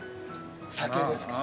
酒ですか。